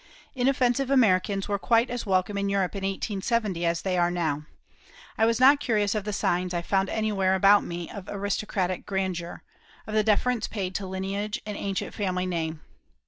Inoffensive Americans were quite as welcome in Europe in 1870 as they are now. I was not curious of the signs I found anywhere about me of aristocratic grandeur, of the deference paid to lineage and ancient family name.